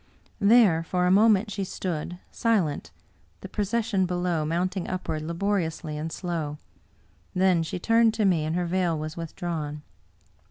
There for a moment she stood, silent, the procession be low mounting upward laboriously and slow ; then she turned to me, and her veil was withdrawn.